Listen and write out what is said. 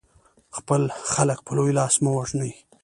خپل خلک په لوی لاس مه وژنئ.